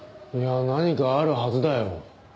いや何かあるはずだよ。